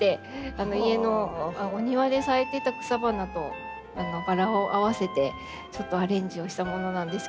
家のお庭で咲いてた草花とバラを合わせてちょっとアレンジをしたものなんですけど。